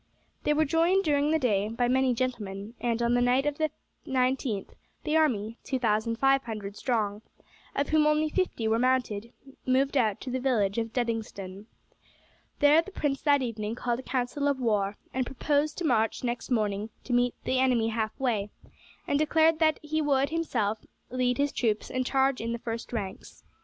They were joined during the day by many gentlemen, and on the night of the 19th the army, two thousand five hundred strong, of whom only fifty were mounted, moved out to the village of Duddingston. There the prince that evening called a council of war, and proposed to march next morning to meet the enemy halfway, and declared that he would himself lead his troops and charge in the first ranks.